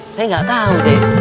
saya gak tau deh